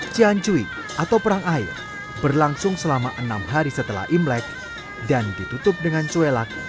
ciancui atau perang air berlangsung selama enam hari setelah imlek dan ditutup dengan cuelak